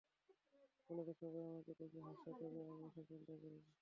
কলেজে সবাই আমাকে দেখে হাসে, তবে আমি এসব চিন্তা করি না।